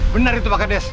benar itu pak kades